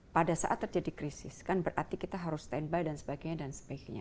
pada saat terjadi krisis kan berarti kita harus standby dan sebagainya dan sebagainya